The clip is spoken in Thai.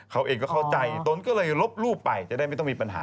เขาเองก็เข้าใจตนก็เลยลบรูปไปจะได้ไม่ต้องมีปัญหา